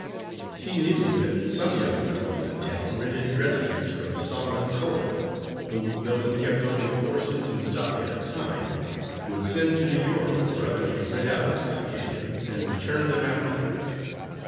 He knew that some young fellows in town rented dress suits from Solomon Cohen, who, though he kept only four suits in stock at a time, would send to New York for others to rent out on this occasion, and return them afterwards.